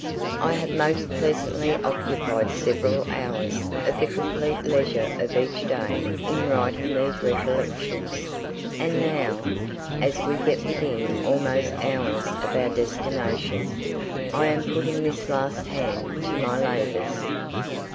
I have most pleasantly occupied several hours of the complete leisure of each day in writing these "Recollections," and now, as we get within almost hours of our destination, I am putting this last hand to my labours.